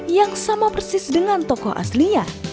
yang sama persis dengan tokoh aslinya